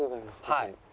はい。